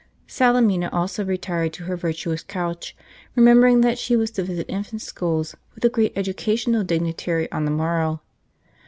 Salemina also retired to her virtuous couch, remembering that she was to visit infant schools with a great educational dignitary on the morrow.